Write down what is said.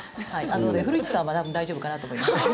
古市さんは多分、大丈夫かなと思います。